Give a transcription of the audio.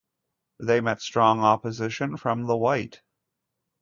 They met strong opposition from the white.